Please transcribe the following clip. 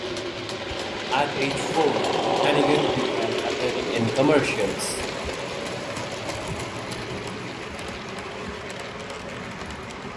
At age four, Hannigan began appearing in commercials.